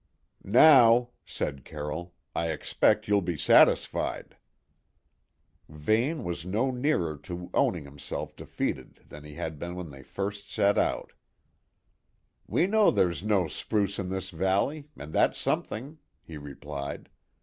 "Now," said Carroll, "I expect you'll be satisfied." Vane was no nearer to owning himself defeated than he had been when they first set out. "We know there's no spruce in this valley; and that's something," he replied.